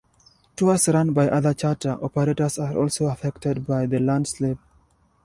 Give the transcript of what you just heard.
Tours run by other charter operators are also affected by the landslip.